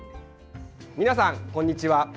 皆さん、こんにちは。